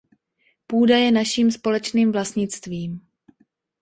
Půda je naším společným vlastnictvím.